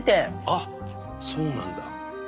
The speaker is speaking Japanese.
あっそうなんだ。